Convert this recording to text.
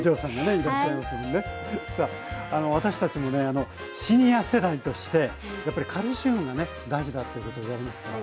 さあ私たちもねシニア世代としてやっぱりカルシウムがね大事だってこと言われますから。